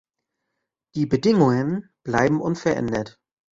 Die Bedingungen bleiben unverändert.